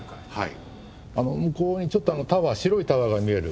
向こうにちょっと白いタワーが見える。